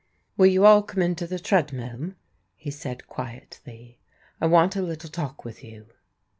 "Will you all come into *The Treadmill,"' he said quietly. " I want a little talk with you."